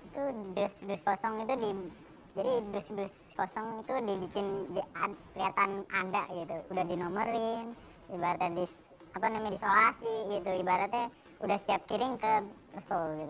itu dus dus kosong itu dibikin kelihatan ada gitu udah dinomerin ibaratnya disolasi gitu ibaratnya udah siap kirim ke pesul gitu